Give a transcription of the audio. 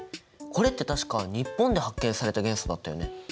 これって確か日本で発見された元素だったよね？